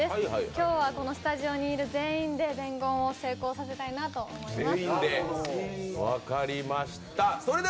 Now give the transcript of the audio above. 今日はこのスタジオにいる全員で伝言を成功させたいと思います。